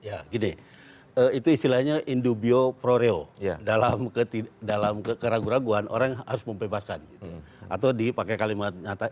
ya gini itu istilahnya indubio proreo dalam keraguan keraguan orang harus membebaskan atau dipakai kalimat nyata